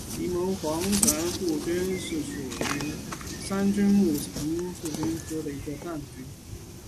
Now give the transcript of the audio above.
柠檬黄层腹菌是属于伞菌目层腹菌科层腹菌属的一种担子菌。